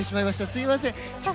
すみません。